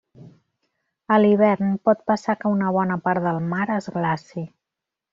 A l'hivern pot passar que una bona part del mar es glaci.